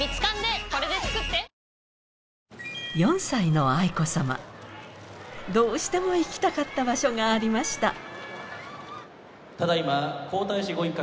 ４歳の愛子さまどうしても行きたかった場所がありました